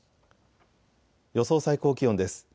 予想最高気温です。